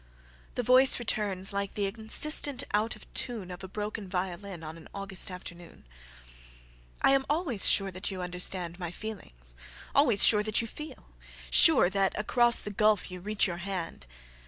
The voice returns like the insistent out of tuneOf a broken violin on an August afternoon:"I am always sure that you understandMy feelings, always sure that you feel, Sure that across the gulf you reach your hand.